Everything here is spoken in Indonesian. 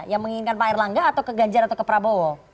yang menginginkan pak erlangga atau ke ganjar atau ke prabowo